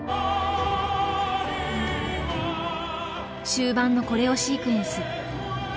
終盤のコレオシークエンス。